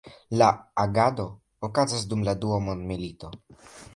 La agado okazas dum la Dua Mondmilito.